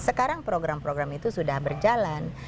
sekarang program program itu sudah berjalan